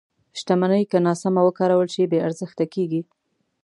• شتمني که ناسمه وکارول شي، بې ارزښته کېږي.